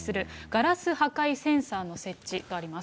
ガラス破壊センサーの設置とあります。